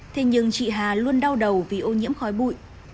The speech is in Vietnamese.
thế nhưng chị hà luôn đau đầu vì ô nhiễm khói bụi